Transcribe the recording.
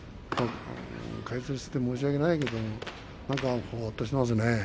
解説をして申し訳ないけどなんか、ぽうっとしていますね。